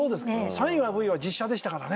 「サインはＶ！」は実写でしたからね。